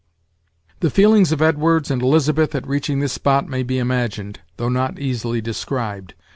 The feelings of Edwards and Elizabeth at reaching this spot may be imagined, though not easily described.